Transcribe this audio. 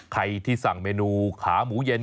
ใครที่สั่งเมนูขาหมูเย็น